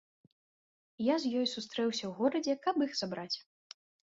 Я з ёй сустрэўся ў горадзе, каб іх забраць.